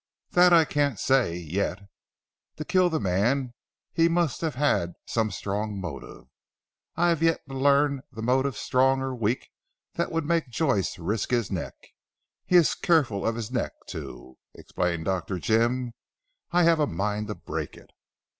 "That I can't say yet. To kill the man he must have had some strong motive. I have yet to learn the motive strong or weak that would make Joyce risk his neck. He is careful of his neck too," explained Dr. Jim. "I have a mind to break it."